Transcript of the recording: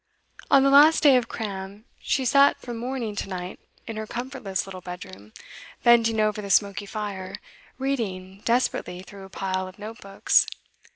On the last day of 'cram,' she sat from morning to night in her comfortless little bedroom, bending over the smoky fire, reading desperately through a pile of note books.